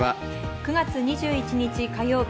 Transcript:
９月２１日火曜日